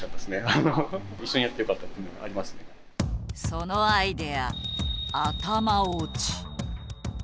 そのアイデア頭落ち。